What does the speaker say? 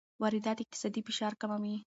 واردات اقتصادي فشار کموي.